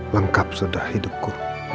lengkap sudah hidupku